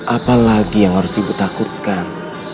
apalagi yang harus ibu takutkan